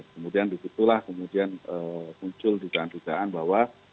kemudian dikitulah kemudian muncul ditaan ditaan bahwa